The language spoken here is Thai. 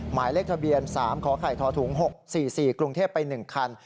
หมายเลขทะเบียน๓ขไข่ทถุง๖๔๔กรุงเทพไป๑คัน